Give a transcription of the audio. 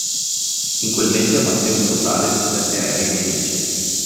In quel mese abbatté un totale di sette aerei nemici.